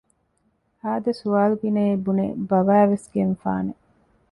ހާދަ ސުވާލުގިނައޭ ބުނެ ބަވައިވެސް ގެންފާނެ